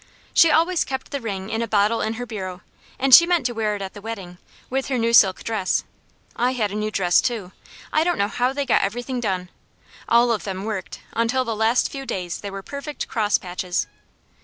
She always kept the ring in a bottle in her bureau, and she meant to wear it at the wedding, with her new silk dress. I had a new dress too. I don't know how they got everything done. All of them worked, until the last few days they were perfect cross patches.